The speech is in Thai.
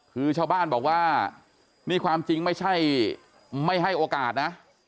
คือชาวบ้านบอกว่านี่ความจริงไม่ใช่ไม่ให้โอกาสนะ